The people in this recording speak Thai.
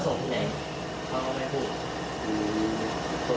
น้องก็ยังไม่ลงมา